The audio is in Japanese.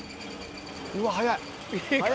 うわ速い。